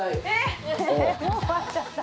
もう終わっちゃった。